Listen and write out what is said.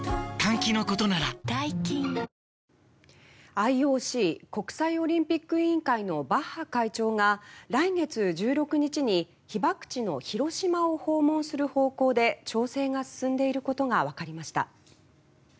ＩＯＣ・国際オリンピック委員会のバッハ会長が来月１６日に被爆地の広島を訪問する方向で調整が進んでいることが分かりました。